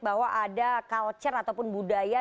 bahwa ada culture ataupun budaya